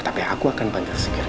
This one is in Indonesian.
tapi aku akan panggil segerti